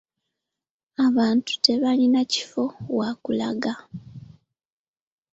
Abantu tebalina kifo wa kulaga.